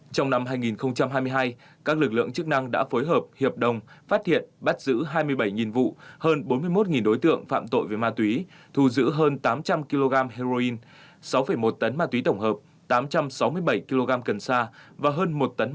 trong năm hai nghìn hai mươi hai các lực lượng chức năng đã phối hợp hiệp đồng phát hiện bắt giữ hai mươi bảy nhiệm vụ hơn bốn mươi một đối tượng phạm tội về ma túy thù giữ hơn tám trăm linh kg heroin sáu một tấn ma túy tổng hợp tám trăm sáu mươi bảy kg cân